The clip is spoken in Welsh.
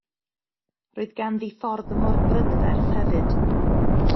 Roedd ganddi ffordd mor brydferth hefyd.